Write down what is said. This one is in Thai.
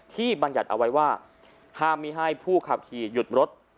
บรรยัติเอาไว้ว่าห้ามมีให้ผู้ขับขี่หยุดรถ